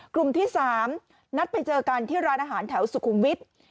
กลุ่มที่๓นัดไปเจอกันที่ร้านอาหารแถวสุขุมวิทย์